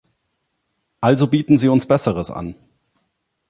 Also bieten Sie uns Besseres an!